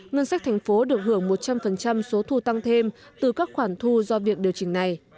ngân sách thành phố được hưởng một trăm linh số thu tăng thêm từ các khoản thu do việc điều chỉnh này